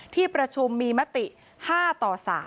ที่ประชุมมีมติ๕ต่อ๓